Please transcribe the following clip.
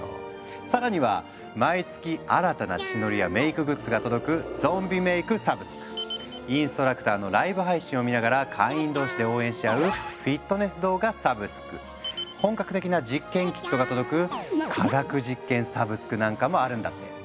更には毎月新たな血のりやメイクグッズが届くインストラクターのライブ配信を見ながら会員同士で応援し合う本格的な実験キットが届く「科学実験サブスク」なんかもあるんだって。